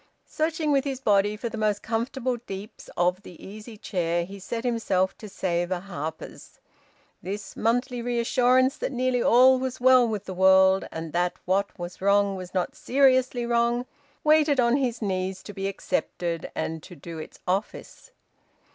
Searching with his body for the most comfortable deeps of the easy chair, he set himself to savour "Harper's." This monthly reassurance that nearly all was well with the world, and that what was wrong was not seriously wrong, waited on his knees to be accepted and to do its office.